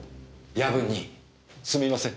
夜分にすみません。